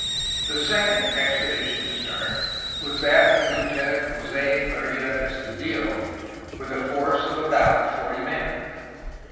The second expedition to start was that of Lieutenant Jos6 Maria Estudillo, with a force of about forty men.